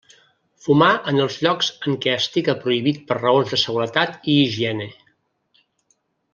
Fumar en els llocs en què estiga prohibit per raons de seguretat i higiene.